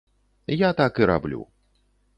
Я так і раблю.